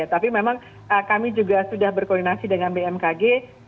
tapi memang kami juga sudah berkoordinasi dengan bmkg